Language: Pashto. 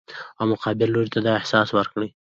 او مقابل لوري ته دا احساس ورکړي